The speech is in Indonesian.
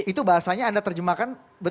itu bahasanya anda terjemahkan